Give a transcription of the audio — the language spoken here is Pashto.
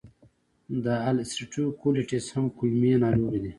د السرېټیو کولیټس هم کولمې ناروغي ده.